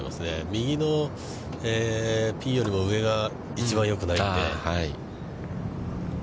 右のピンよりも上が一番よくないんで。